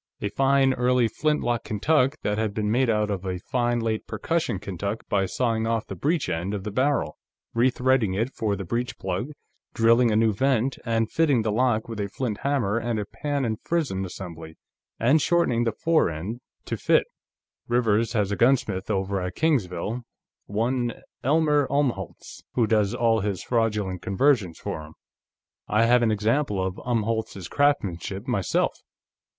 A fine, early flintlock Kentuck, that had been made out of a fine, late percussion Kentuck by sawing off the breech end of the barrel, rethreading it for the breech plug, drilling a new vent, and fitting the lock with a flint hammer and a pan and frizzen assembly, and shortening the fore end to fit. Rivers has a gunsmith over at Kingsville, one Elmer Umholtz, who does all his fraudulent conversions for him. I have an example of Umholtz's craftsmanship, myself.